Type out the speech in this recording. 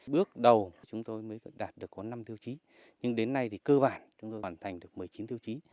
bước đầu chúng tôi mới đạt được có năm tiêu chí nhưng đến nay thì cơ bản chúng tôi hoàn thành được một mươi chín tiêu chí